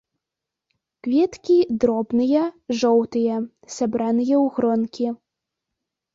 Кветкі дробныя, жоўтыя, сабраныя ў гронкі.